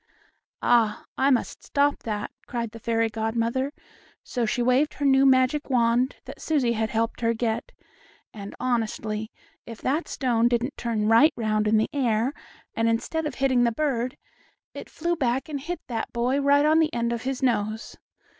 "Ah, I must stop that!" cried the fairy godmother, so she waved her new magic wand that Susie had helped her get, and, honestly, if that stone didn't turn right around in the air, and instead of hitting the bird, it flew back and hit that boy right on the end of his nose!